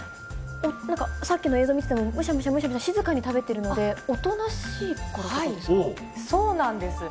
さっきの映像見てても、むしゃむしゃむしゃむしゃ静かに食べてるので、おとなしいからとそうなんです。